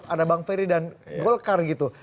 ada bang ferry dan golkar gitu